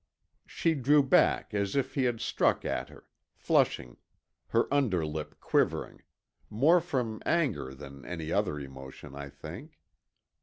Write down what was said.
She drew back as if he had struck at her, flushing, her under lip quivering—more from anger than any other emotion, I think.